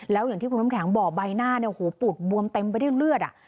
แล้วอย่างที่คุณน้ำแข็งบอกใบหน้าเนี่ยโอ้โหปูดบวมเต็มไปด้วยเลือด